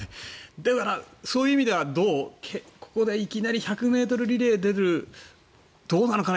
だから、そういう意味ではここでいきなり１００ｍリレー出るどうなのかな。